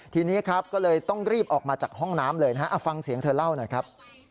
ทีนี้ครับก็เลยต้องรีบออกมาจากห้องน้ำเลยนะฮะฟังเสียงเธอเล่าหน่อยครับ